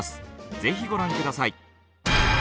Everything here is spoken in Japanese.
ぜひご覧下さい。